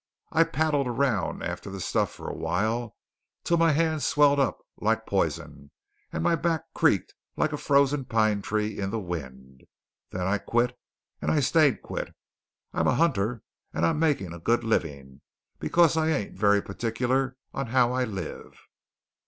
"I paddled around after the stuff for a while, till my hands swelled up like p'ison, and my back creaked like a frozen pine tree in the wind. Then I quit, and I stayed quit. I'm a hunter; and I'm makin' a good livin', because I ain't very particular on how I live."